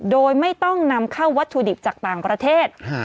โดยไม่ต้องนำเข้าวัตถุดิบจากต่างประเทศ